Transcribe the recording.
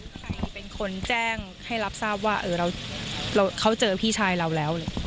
ใครเป็นคนแจ้งให้รับทราบว่าเขาเจอพี่ชายเราแล้ว